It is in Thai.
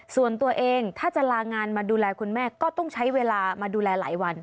ส่วนตัวเองถ้าจะลางานมาดูแลคุณแม่ก็ต้องใช้เวลามาดูแลหลายวัน